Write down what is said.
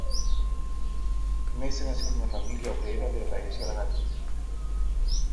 Mesa nació en una familia obrera de tradición anarquista.